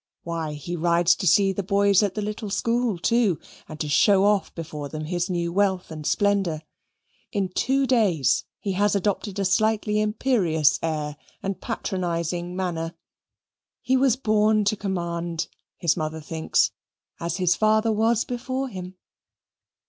Why, he rides to see the boys at the little school, too, and to show off before them his new wealth and splendour. In two days he has adopted a slightly imperious air and patronizing manner. He was born to command, his mother thinks, as his father was before him.